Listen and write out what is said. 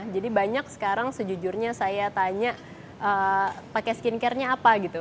jadi banyak sekarang sejujurnya saya tanya pakai skincarenya apa gitu